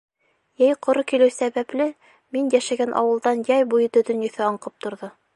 Йәй ҡоро килеү сәбәпле, мин йәшәгән ауылдан йәй буйы төтөн еҫе аңҡып торҙо.